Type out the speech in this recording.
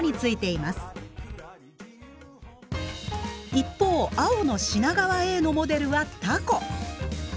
一方青の品川Ａのモデルはタコ。